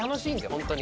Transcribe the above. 本当に。